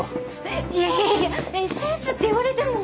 えっいやいやセンスって言われても。